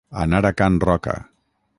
Anar a Can Roca.